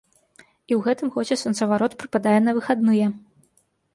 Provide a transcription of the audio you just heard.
І ў гэтым годзе сонцаварот прыпадае на выхадныя.